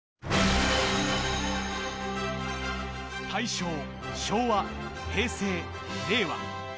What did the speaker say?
大正、昭和、平成、令和。